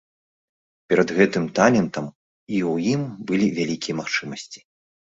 Перад гэтым талентам і ў ім былі вялікія магчымасці.